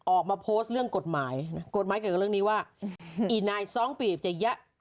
ออกมาโพสต์เรื่องกฎหมายกฎหมายเกี่ยวกับเรื่องนี้ว่าอีนายสองปีบจะแยะ